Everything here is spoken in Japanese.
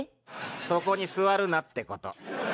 そこに座るなってこと。